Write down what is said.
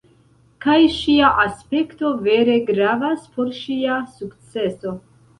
Kaj ŝia aspekto vere gravas por ŝia sukceso.